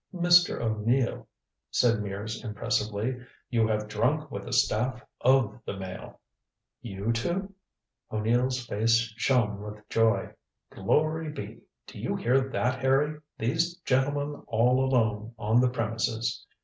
"Mr. O'Neill," said Mears impressively, "you have drunk with the staff of the Mail." "You two?" O'Neill's face shone with joy. "Glory be do you hear that, Harry? These gentlemen all alone on the premises."